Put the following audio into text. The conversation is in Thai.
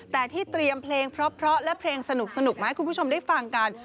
แต่ที่เตรียมเพลงเพราะและเพลงสนุกมาให้คุณผู้ชมได้ฟังกัน